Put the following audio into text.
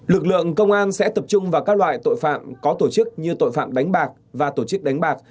lực lượng công an sẽ tập trung vào các loại tội phạm có tổ chức như tội phạm đánh bạc và tổ chức đánh bạc